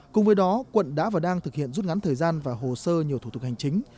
cùng với đó quận đã và đang thực hiện rút ngắn thời gian và hồ sơ nhiều thủ tục hành chính